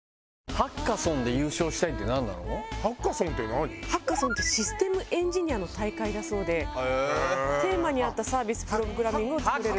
ハッカソンってシステムエンジニアの大会だそうでテーマに合ったサービスプログラミングを作れる。